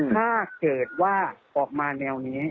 ถ้าเกิดว่าออกมาแนวนี้